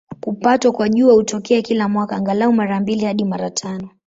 Kupatwa kwa Jua hutokea kila mwaka, angalau mara mbili hadi mara tano.